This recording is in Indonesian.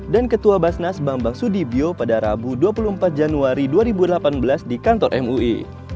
dan ketua basnas bambang sudibyo pada rabu dua puluh empat januari dua ribu delapan belas di kantor mui